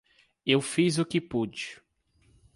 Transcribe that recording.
Eu fiz o que pude.